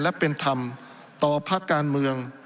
และเป็นธรรมต่อภาคการเมือง